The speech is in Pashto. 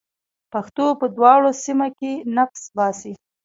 پښتو په دواړو سیمه کې نفس باسي.